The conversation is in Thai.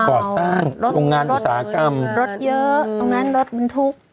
เกาะสร้างโครงงานอุตสาหกรรมรถเยอะตรงนั้นรถมันทุกข์